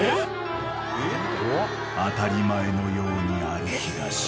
［当たり前のように歩きだし］